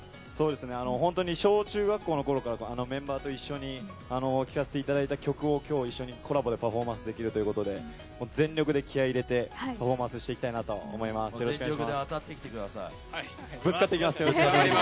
本当に小中学校のころからのメンバーと一緒に聴かせていただいた曲を今日一緒にコラボでパフォーマンスできるということで全力で気合を入れてパフォーマンスしていきたいと全力で当たってきてください。